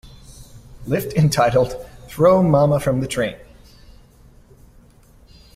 Lift entitled "Throw Momma from the Train".